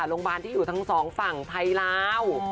โรงพยาบาลที่อยู่ทั้งสองฝั่งไทยลาว